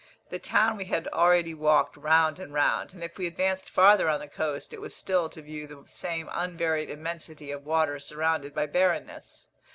The town we had already walked round and round, and if we advanced farther on the coast, it was still to view the same unvaried immensity of water surrounded by barrenness.